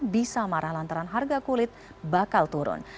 bisa marah lantaran harga kulit bakal turun